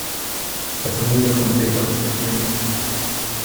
la familia al completo. mi amor